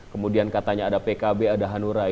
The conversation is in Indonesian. kemudian katanya ada pkb ada hanura